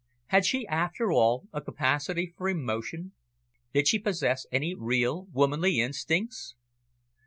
Had she, after all, a capacity for emotion, did she possess any real womanly instincts?